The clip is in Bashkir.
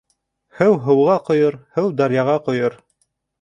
Һыу һыуға ҡойор, һыу даръяға ҡойор.